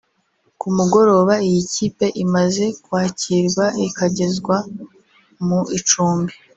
Ku mugoroba iyi kipe imaze kwakirwa ikagezwa mu icumbi